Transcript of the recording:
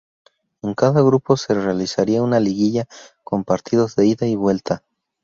En cada grupo se realizaría una liguilla con partidos de ida y vuelta.